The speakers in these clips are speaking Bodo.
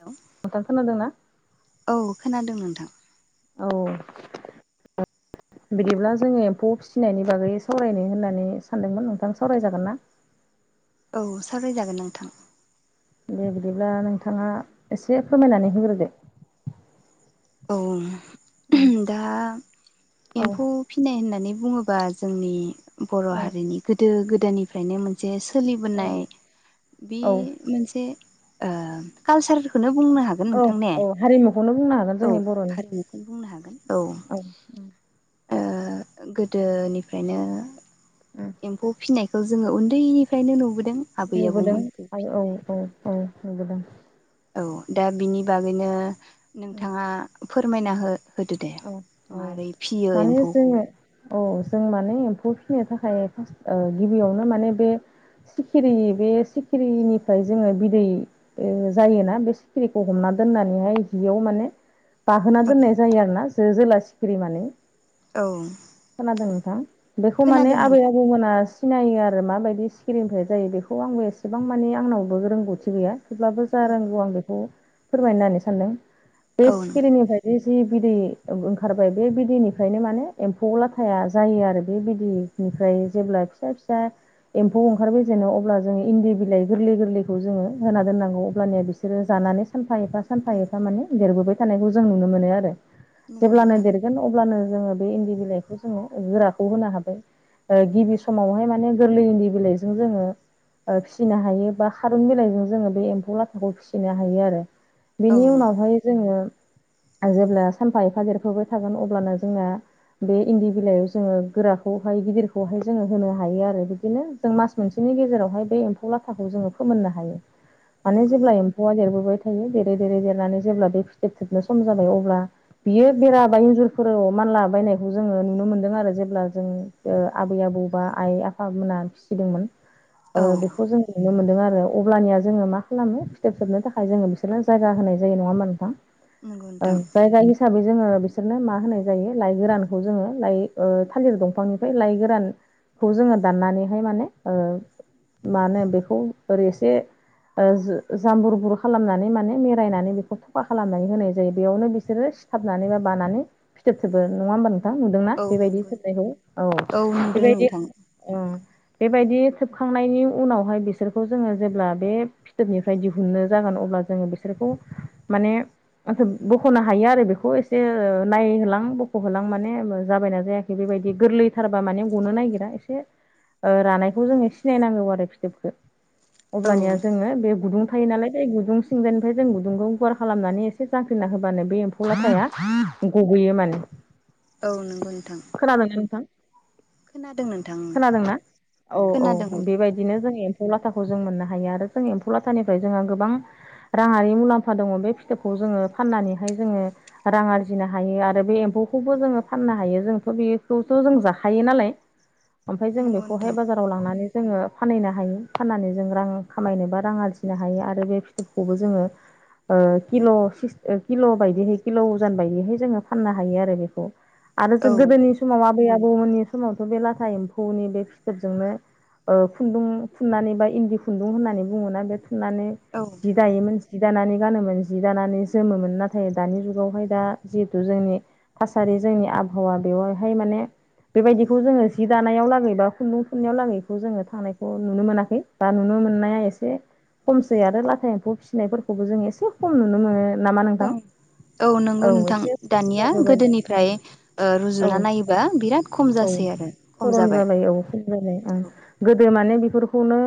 हेल' नोंथां खोनादोंना? औ खोनादों नोंथां। औ बिदिब्ला जोङो एम्फौ फिसिनायनि बागै सावरायनो होननानै सानदोंमोन नोंथां सावरायजागोन ना? [inaudible] औ सावरायजागोन नोंथां। दे बिदिब्ला नोंथाङा एसे फोरमायनानै होग्रोदो। औ उम दा औ एम्फौ फिनाय होननानै बुङोबा जोंनि बर' औ हारिनि गोदो गोदायनिफ्रायनो मोनसे सोलिबोनाय बे औ मोनसे कालसारफोरखोनो औ औ हारिमुखौनो बुंनो हागोन। औ जोंनि बर'नि हारिमुखौनो बुंनो हागोन औ ओ गोदोनिफ्रायनो एम्फौ फिनायखौ जोङो उन्दैनिफ्रायनो नुबो दों आरो औ औ औ नुबोदों। औ दा बिनि बागैनो नोंथाङा फोरमायना हो होदो दे। औ औ मारै फिसियो माने एम्फौखौ जोङो औ जों माने एम्फौ फिसिनो थाखाय फार्स्ट गिबियावनो माने बे सिखिरि बे सिखिरिनिफ्राय जोङो बिदै ओ जायोना बे सिखिरिखौ हमना दोननानैहाय जियाव माने बाहोना दोननाय जायो आरोना जो जोला सिखिरि मानै औ बेखौ माने खोनादों आबै नोंथां आबौमोना सिनायो आरो माबादि सिकिरिनिफ्राय जायो बेखौ आंबो एसेबां मानिे आंनावबो रोंगौथि गैया। थेब्लाबो जा रोंगौ आं बेखौ फोरमायनो होननानै सानदों बे औ नोंथां सिकिरिनिफ्रायदि जि बिदै ओंखारबाय बे बिदैनिफ्रायनो माने एम्फौ लाथाया जायो आरो बे बिदै ओमफ्राय जेब्ला फिसा फिसा एम्फौ ओंखारबोजेनो अब्ला जोङो इन्दि बिलाइ गोरलै गोरलैखौ जोङो होना दोननांगौ अब्लानिया बिसोरो जानानै सान फा एबा सानफा एफा माने देरबोबाय थानायखौ जों नुनो मोनो आरो नंगौ जेब्लानो नोंथां देरगोन अब्लानो जोङो बे इन्दि बिलाइखौ जोङो गोराखौ होनो हाबाय। ओ गिबि समावहाय माने गोरलै इनदि बिलाइजों जोङो ओ फिसिनो हायो बा खारुं बिलाइजों जोङो बे एम्फौ लाथाखौ फिसिनो हायो आरो। औ बिनि उनाव जोङो जेब्ला सानफा एफा देरबोबाय थागोन अब्लानो जोंना बे इन्दि बिलाइयाव जोङो गोराखौहाय गिदिरखौहाय जोङो होनो हायो आरो बिदिनो जों मास मोनसे नि गेजेरावहाय बे एमफौ लाथाखौ जोङो फोमोननो हायो। माने नंगौ जेब्ला नोंथां एम्फौआ देरबोबाय थायो देरै देरै देरनानै जेब्ला बे फिथोब थोबनो सम जाबाय अब्ला बियो बेराबा इन्जुरफोराव मानला बायनायखौ जोङो नुनो मोनदों आरो जेब्ला जों ओ आबै आबौ बा आइ आफामोना फिसिदोंमोन औ बेखौ जों नुनो मोनदों आरो अब्लानिया जोङो मा खालामो फिथोब थोबनो थाखाय जोङो बिसोरनो जायगा होनाय जायो नङा होनबा नोंथां? नंगौ औ नोंथां जायगा हि साबै जोङो बिसोरनो मा होनाय जायो लाइ गोरानखौ जोङो लाइ थालिर दंफांनिफ्राय लाइ गोरान खौ जोङो दाननानैहाय माने मा होनो बेखौ ओरै एसे ओ जाम्बुर बुर खालामनानै माने मेरायनानै बेखौ थखा खालामनानै होनाय जायो बेयावनो बिसोरो सिथाबनानै बा बानानै फिथोब थोबो नङा होमबा नोंथां? नुदोंना औ बेबायदि नंगौ नोंथां होनायखौ औ नुदों बेबायदि नोंथां औ बेबायदि थोबखांनायनि उनावहाय बिसोरखौ जोङो जेब्ला बे फिथोबनिफ्राय दिहुननो जागोन अब्ला जोङो बिसोरखौ माने बख'नो हायो आरो बेखौ एसे नायहोलां बख'होलां माने जाबायना जायाखै बेबाय बायदि गोरलैथारबा माने गनो नागिरा एसे ओ रानायखौ जोङो सिनायनांगौ आरो फिथोबखौ औ अब्लानिया जोङो बे गुदुं थायो नालाय बे गुदुं थिंजानिफ्राय जों गुदुंखौ गार खालामनानै एसे जांख्रिना होबानो बे एम्फौ लाथाया गबोयो माने औ नंगौ नोंथां खोनादोंना नोंथां खोनादों नोंथां खोनादोंना औ औ बेबायदिनो जोंनि एम्फौ लाथाखौ जों मोननो हायो आरो जों एम्फौ लाथानिफ्राय जोंहा गोबां राङारि मुलाम्फा दङ बे फिथोबखौ जोङो फाननानैहाय जोङो रां आरजिनो हायो आरो बे एम्फौखौबो जोङो फाननो हायो जोंथ' बेखौथ' जों जाखायो नालाय ओमफ्राय जों नंगौ बेखौहाय नोंथां बाजाराव लांनानै जोङो फानहैनो हायो फाननानै जों रां खामायनोबा रां आरजिनो हायो आरो बे फिथोबखौबो जोङो ओ किल' किल' बायदिहै किल' अजान बायदिहै जोङो फाननो हायो आरो बेखौ आरो औ जों गोदोनि समाव आबै आबौमोननि समावथ' बे लाथा एम्फौनि बे फिथोबजोंनो ओ खुन्दुं थुननानै बा इन्दि खुन्दुं होननानै बुङोना बे नानै औ जि दायोमोन जि दानानै गानोमोन जि दानानै जोमोमोन नाथाय दानि जुगावहाय दा जिहेथु जोंनि थासारि जोंनि आबहावा बेवहाय माने बेबायदिखौ जोङो जि दानायाव लागै बा खुन्दुं थुननायाव लागैखौ जोङो थांनायखौ नुनो मोनाखै दा नुनो औ मोननाया एसे खमसै आरो लाथा एम्फौ फिसिनायफोरखौबो जों एसे खम नुनो मोनो नामा खम नोंथां औ नंगौ नोंथां एसे खम दानिया जाबोबाय गोदोनिफ्राय रुजुना ओ नायोबा बिराद खम जासै आरो खम खरम जाबाय जालायाव [unintelligible] आं औ गोदो माने बि फोरखौनो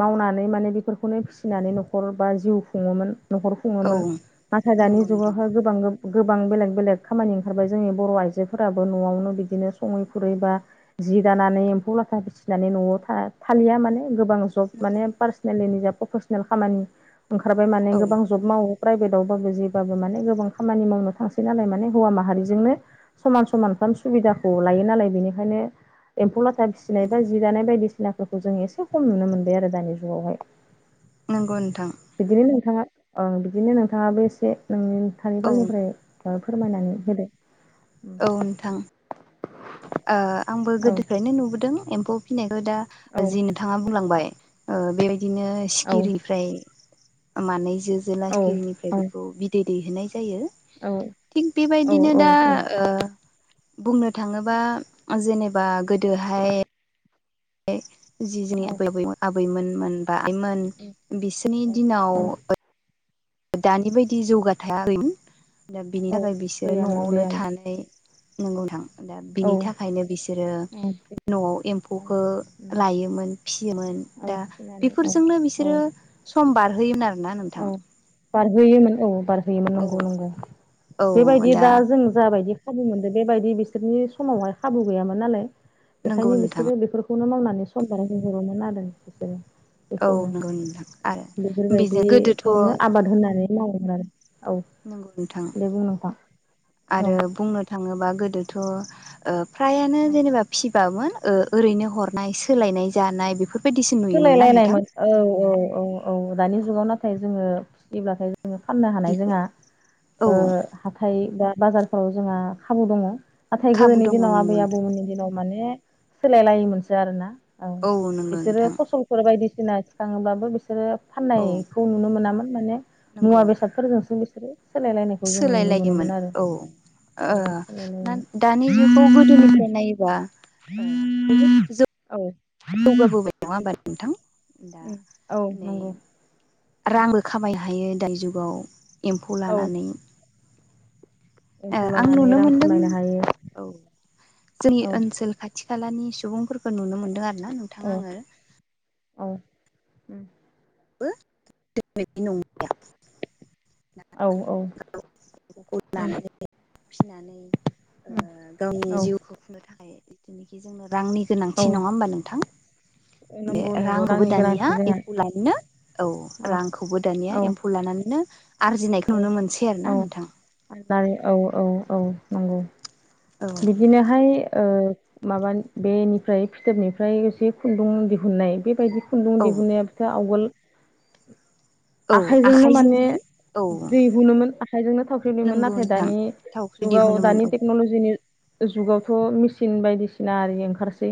मावनानै माने बेफोरखौनो फिसिनानै न'खर बा जिउ खुङोमोन न'खर औ खुङोमोन नाथाय दानि नंगौ नोंथां जुगावहाय गोबां गोबां बेलेग बेलेग खामानि ओंखारबाय जोंनि बर' आइजोफोराबो न'आवनो बिदिनो सङै खुरै बा जि दानानै एम्फौ लाथा फिसिनानै न'आव था थालिया माने गोबां जब नंगौ माने पार्सनेलि निजा प्रफेसनेल खामानि ओंखारबाय माने औ गोबां जब मावो प्राइभेटआवबाबो जेबाबो माने गोबां खामानि मावनो थांसै नालाय माने हौवा माहारिजोंनो समान समान सुबिदाखौ लायो नालाय बेनिखायनो एम्फौ लाथा फिसिनाय बा जि दानाय बायदिसिनाफोरखौ जों एसे खम नुनो मोनबाय आरो दानि जुगावहाय नंगौ नोंथां बिदिनो नोंथाङा ओ बिदिनो नोंथाङाबो एसे नोंथांनि औ फालनिफ्राय फोरमायनानै होदो औ नोंथां आंबो औ गोदोफ्रायनो नुबोदों एम्फौ फिनायखौ दा औ जि नोंथाङा बुंलांबाय बेबायदिनो औ सिखिरिफ्राय मानै जो औ जोनखिरिनिफ्राय बेखौ बिदै दैहोनाय जायो। औ थिग बेबायदिनो दा ओ बुंनो थाङोबा जेनेबा गोदोहाय जि जोंनि औ आबै आबौमोन आबैमोनमोन। बा आइमोन बिसोरनि दिनाव औ दानि बायदि जौगाथायाखैमोन दा बिनि औ थाखाय बिसोरो गैयामोन न'आवनो गैयामोन थानाय नोंगौ नोंथां दा औ बिनि थाखायनो बिसोरो औ बेफोर न'आव एम्फौखो लायोमोन फिसियोमोन। औ दा फिसिनानै औ बेफोरजोंनो औ बिसोरो सम बारहोयोमोन आरोना नोंथां औ बारहोयोमोन औ बारहोयोमोन औ नंगौ नंगौ बेबायदि दा जों जा बायदि खाबु मोनदों बेबायदि बिसोरनि समावहाय खाबु गैयामोन नालाय नंगौ बेखायनो नोंथां बिसोरो बेफोर बेखौनो मावनानै सम बारहोहरोमोन आरो बिसोर औ नंगौ नोंथां आरो बे बेखौनो आबाद होननानै मावोमोन आरो औ नंगौ नोंथां दे बुं नोंथां आरो औ बुंनो थाङोबा गोदोथ' ओ फ्रायानो जेनेबा फिसिबामोन ओ ओरैनो हर नाय सोलायनाय जानाय बेफोरबायदिसो नुयोमोन ना नोंथां सोलायलायनायमोन औ औ औ औ दानि जुगाव नाथाय जोङो फिसिब्लाथाय फाननो हानाय बिदिखौ जोंहा औ ओ हाथाय बा बाजारफोराव जोंहा खाबु दङ नाथाय खाबु गोदोनि दङ दिनाव आबै नंगौ नोंथां आबौमोननि दिनाव माने सोलायलायोमोनसो आरोना औ नंगौ बिसोरो नोंथां फसलफोर बायदि सिना थिखाङोब्लाबो बिसोरो औ फाननायखौ नुनो मोनामोन माने मुवा नंगौ बेसादफोरजोंसो बि सोलायलायोमोन औ औ ओ ना सोलायलायोमोन दानि जुगाव गोदोनिफ्राय नायोबा ओ बहुद जौगाबोबाय नङा होमबा नोंथां दा औ उम औ नै नंगौ उम रांबो खामायनो हायो दानि जुगाव एम्फौ औ लानानै ओ एम्फौ आं लानानै नुनो रां मोनदों खामायनो हायो औ जोंनि औ ओनसोल खाथि खालानि सुबुंफोरखौ नुनो मोनदों आरो ना नोंथां औ आङो औ उम बो [unintelligible] बिदि नंलिया औ औ उम [unintelligible] फिसिनानै ओ गावनि औ जिउखौ खुंनो थाखाय जिथुनोखि जोंनो रांनि औ गोनांथि नङा होमबा नोंथां बे नंगौ नंगौ रांखौबो रांनि दानिया गोनांथि जोंहा एफुलायनो औ रांखौबो दानिया औ एम्फौ लानानैनो आरजिनायखौ औ नुनो मोनसै आरोना औ नोंथां औ औ औ नांगौ औ बिदिनोहाय ओ माबा बेनिफ्राय फिथोबनिफ्राय एसे खुन्दुं दिहुननाय बेबायदि खुन्दुं औ दिहुननायाबोथ' आवगोल औ आखाइजोंनो माने आखाइजोंमोन औ दै हुनोमोन आखाइजोंनो थावख्रि बुयोमोन नंगौ नाथाय नोंथां दानि थावख्रि जुगाव दिहुनोमोन दानि औ टेक्न'ल'जिनि जुगावथ' मेचिन बायदिसिना आरि ओंखारसै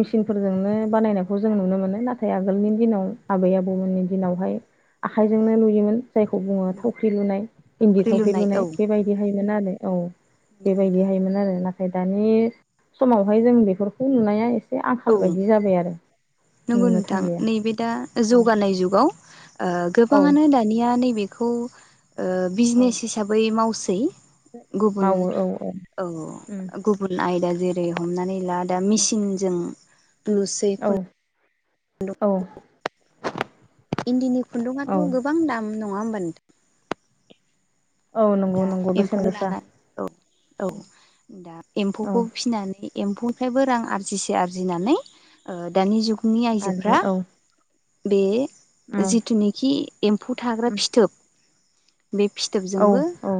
मेसिनफोरजोंनो बानायनायखौ जों नुनो मोनो नाथाय आगोलनि दिनाव आबै आबौमोननि दिनावहाय आखाइजोंनो लुयोमोन जायखौ बुङो नंगौ थावख्रि नोंथां लुनाय इन्दि थावख्रि लुनाय बेबायदिहायोमोन आरो औ नंगौ नोंथां बेबायदिहायमोन आरो नाथाय दानि समावहाय जों बेफोरखौ नुनाया एसे औ आंखाल बायदि जाबाय आरो नंगौ नोंनो नोंथां थांलिया नैबे दा औ जौगानाय जुगाव ओ औ गोबाङानो दानिया नैबेखौ ओ औ बिजनेस हिसाबै मावसै गुबुन मावो औ औ उम गुबुन आयदा जे रै हमनानै ला दा मेसिनजों नुसै खुन्दुं औ औ इन्दिनि औ खुन्दुङाथ' गोबां दाम नङा होमबा नोंथां औ नंगौ दा नंगौ बेसेन एम्फौ गोसा लानानै औ औ दा औ एम्फौखौ फिसिनानै एम्फौनिफ्रायबो रां आरजिसे आरजिनानै दानि जुगनि आरो आइजोफ्रा औ बे जिथुनाखि एम्फौ थाग्रा फिथोब बे औ फिथोबजोंबो औ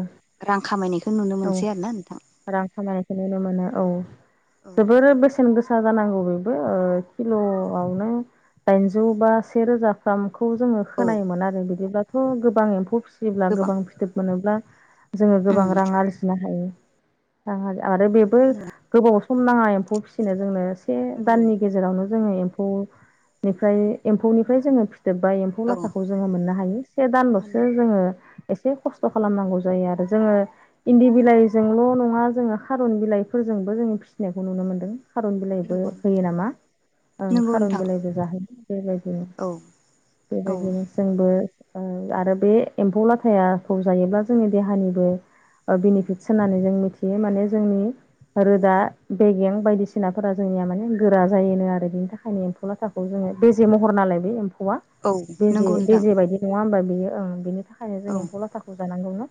रां खामायनायखौ नुनो औ मोनसै आरोना नोंथां। रां खामायनायखौ नुनो मोनो औ जोबोर बेसेन गोसा गोसा जानांगौ बेबो किल'आवनो दाइनजौ बा से रोजाफ्राम खौ जोङो औ खोनायोमोन आरो बिदिब्लाथ' गोबां एम्फौ फिसियोब्ला गोबां फिथोब मोनोब्ला जोङो उम गोबां रां आरजिनो हायो रां आरो बेबो गोबाव सम नाङा एम्फौ फिसिनो जोंनो से नंगौ दाननि गेजेरावनो जोंनि‌ एम्फौ एम्फौ निफ्राय जोब्बा एम्फौ औ लाथाखौ जोङो मोननो हायो से दानल'सो मोननो जोङो एसे खस्थ' खालामनांगौ जायो आरो जोङो इन्दि बिलाइजोंल' नङा जोङो खारुन बिलाइफोरजोंबो जोङो फिसिनायखौ नुनो मोन्दों। खारुन बिलाइबो नंगौ नोंथां होयो नामा ओं नंगौ खारुन नोंथां बिलाइबो जाहोयो। बेबायदिनो औ औ बेबायदिनो जोंबो आरो बे एम्फौ लाथायाखौ जायोब्ला जोंनि देहानिबो बेनिफिट्स होननानै जों मिथियो माने जोंनि रोदा बेगें बायदिसिनाफोरा जोंनिया माने गोरा जायोनो आरो बिनि थाखायनो एम्फौ लाथाखौ जों बेेजे महर नालाय बे एम्फौवआ औ बेे नंगौ नोंथां बेजे बायदि नङा होनोमबा बेयो ओं बिनि थाखायनो जों औ एम्फौ लाथाखौ जानांगौनो।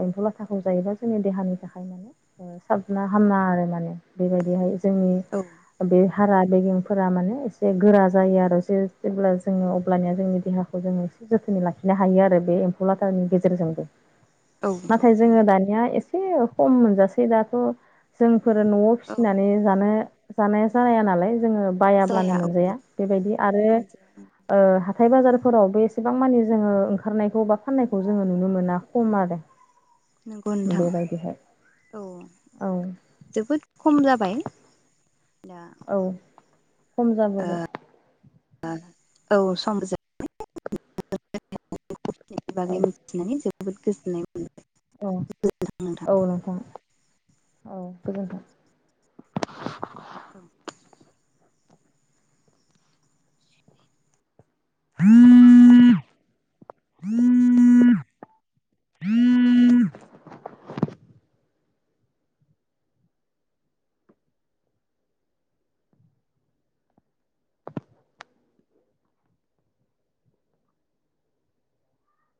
आंथ' ला थाखखौ जायोबा जोंनि देहानि थाखाय माने साबना हामना आरो माने बेबायदिहाय जोंनि औ बे हारा बेगेंफोरा माने एसे गोरा जायो आरो जे जेब्ला जोङो अब्लानिया जोंनि देहाखौ जोङो से जोथोनै लाखिनो हायो आरो बे एम्फौ लाथानि गेजेरजोंबो औ नाथाय जोङो नंगौ नोंथां दानिया एसे खम मोनजासै दाथ' जों फोर न'आव औ फिसिनानै जानो जानाया जानाया जाया नालाय। जोङो बायाब्लानो जाया औ मोनजाया बेबायदि आरो मोनजाया ओ हाथाय बाजारफोरावबो एसेबां मानि जोङो ओंखारनायखौ बा फाननायखौ जोङो नुनो मोना खम आरो। नंगौ नोंथां बेबायदिहाय औ औ जोबोद खम जाबाय। दा औ खम जाबोबाय। औ सम जाबाय [unintelligible] औ बागै मिथिनानै जोबोद गोजोननाय मोन औ औ नोंथां औ गोजोनथों। [inaudible] [inaudible] [inaudible] [inaudible]